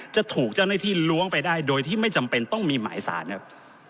จะถูกเจ้าหน้าที่ล้วงไปได้โดยที่ไม่จำเป็นต้องมีหมายสารครับ